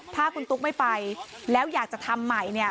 ถ้าคุณตุ๊กไม่ไปแล้วอยากจะทำใหม่เนี่ย